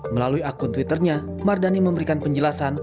melalui akun twitternya mardani memberikan penjelasan